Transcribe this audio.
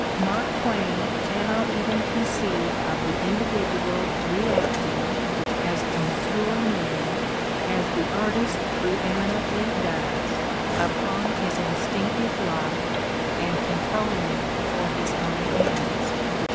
Mark Twain cannot even conceive of the individual reacting, as the mature man, as the artist preeminently, does, upon his 264 The Ordeal of Mark Twain instinctive life and controlling it for his own ends.